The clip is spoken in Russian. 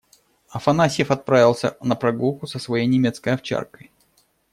Афанасьев отправился на прогулку со своей немецкой овчаркой.